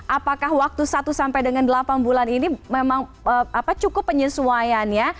apakah waktu satu sampai dengan delapan bulan ini memang cukup penyesuaiannya